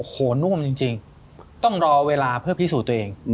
โหน่วมจริงต้องรอเวลาเพื่อพิสูจน์ตัวเอง